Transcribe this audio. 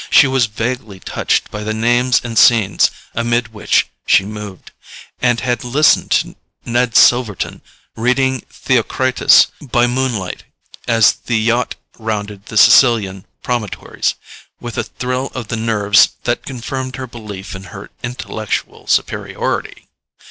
She was vaguely touched by the names and scenes amid which she moved, and had listened to Ned Silverton reading Theocritus by moonlight, as the yacht rounded the Sicilian promontories, with a thrill of the nerves that confirmed her belief in her intellectual superiority.